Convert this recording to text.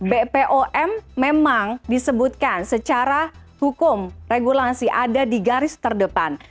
bpom memang disebutkan secara hukum regulasi ada di garis terdepan